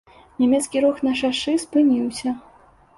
Нямецкі рух на шашы спыніўся.